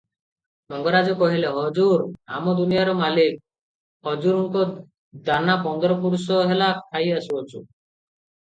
ମଙ୍ଗରାଜ କହିଲେ, "ହଜୁର ଆମ ଦୁନିଆର ମାଲିକ, ହଜୁରଙ୍କ ଦାନା ପନ୍ଦର ପୁରୁଷ ହେଲା ଖାଇ ଆସୁଅଛୁ ।